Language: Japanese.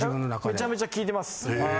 めちゃめちゃ効いてます。